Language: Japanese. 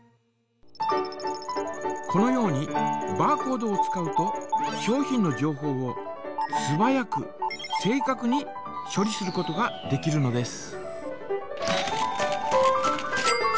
このようにバーコードを使うと商品の情報をすばやく正かくにしょ理することができるのです。